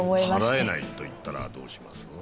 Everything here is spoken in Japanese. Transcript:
払えないと言ったらどうします？